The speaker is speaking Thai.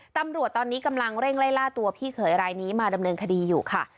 ตำรวจตอนนี้กำลังเร่งไล่ล่าตัวพี่เขยรายนี้มาดำเนินคดีอยู่ค่ะ